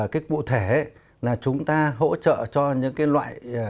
cái cụ thể là chúng ta hỗ trợ cho những cái loại